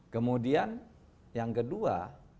kemudian yang ke dua